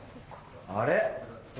あれ？